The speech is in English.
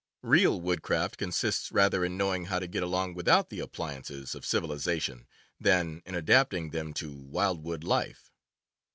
Real woodcraft consists rather in knowing how to get along without the appliances of civilization than in adapting them to wildwood life.